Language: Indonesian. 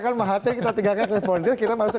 ke mahathir kita tinggalkan clifford gertz kita masuk